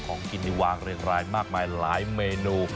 ของกินนี่วางเรียงรายมากมายหลายเมนู